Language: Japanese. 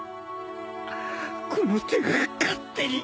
この手が勝手に。